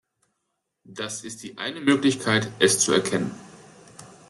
Das ist die eine Möglichkeit es zu erkennen.